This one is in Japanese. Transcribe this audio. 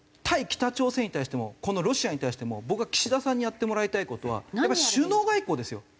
北朝鮮に対してもこのロシアに対しても僕は岸田さんにやってもらいたい事はやっぱり首脳外交ですよ。